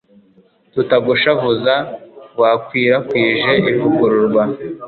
tutagushavuza, wakwirakwije ivugururwa